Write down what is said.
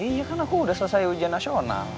iya kan aku udah selesai ujian nasional